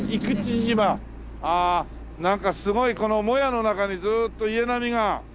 ああなんかすごいもやの中にずーっと家並みが。